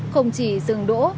không chỉ dừng đỗ